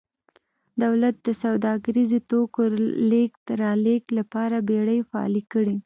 دولت د سوداګریزو توکو لېږد رالېږد لپاره بېړۍ فعالې کړې